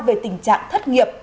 về tình trạng thất nghiệp